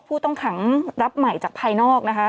ผู้ต้องขังรับใหม่จากภายนอกนะคะ